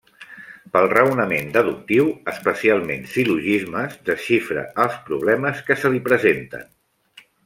Pel raonament deductiu, especialment sil·logismes, desxifra els problemes que se li presenten.